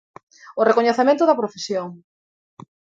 O recoñecemento da profesión.